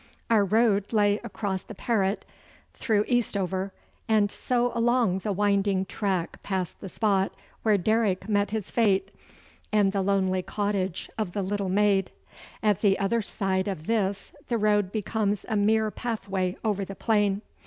Our road lay across the Parret, through Eastover, and so along the winding track past the spot where Derrick met his fate, and the lonely cottage of the little maid. At the other side of this the road becomes a mere pathway over the plain.